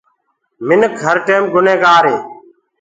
انسآن هر ٽيم گُني گآري